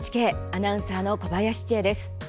アナウンサーの小林千恵です。